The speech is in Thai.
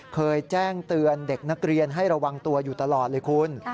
เคยแจ้งเตือนเด็กนักเรียนให้ระวังตัวอยู่ตลอดเลยคุณ